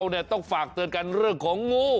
เราต้องฝากเตือนการเลือกของงู